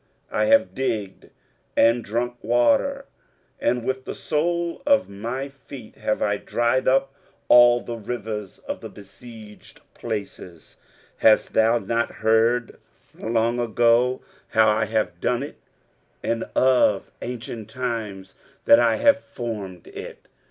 23:037:025 I have digged, and drunk water; and with the sole of my feet have I dried up all the rivers of the besieged places. 23:037:026 Hast thou not heard long ago, how I have done it; and of ancient times, that I have formed it?